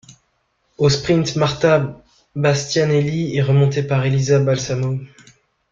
Au sprint, Marta Bastianelli est remontée par Elisa Balsamo.